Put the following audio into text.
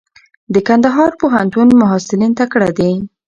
د کندهار پوهنتون محصلین تکړه دي.